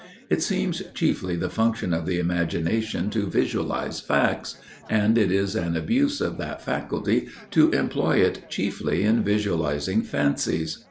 It seems chiefly the function of the imagination to visualise facts, and it is an abuse of that faculty to employ it chiefly in visualising fancies.